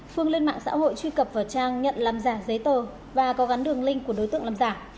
phương lên mạng xã hội truy cập vào trang nhận làm giả giấy tờ và có gắn đường link của đối tượng làm giả